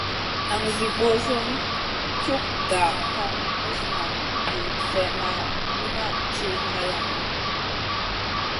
Nan Zi ɓosion cug gah kam muzna vi slèh ma numʼma ti hayama.